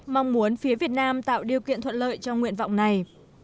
mong muốn phía việt nam tạo điều kiện thuận lợi cho nguyện vọng này